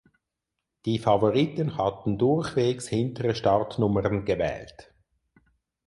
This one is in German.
Die Favoriten hatten durchwegs hintere Startnummern gewählt.